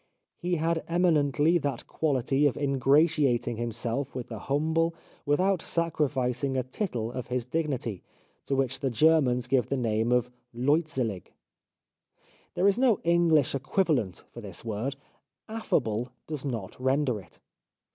He had eminently that quality of ingratiating himself with the humble, without sacrificing a tittle of his dignity, to which the Germans give the name of " leutselig." There is no Enghsh equivalent for this word ;" affable " does not render it.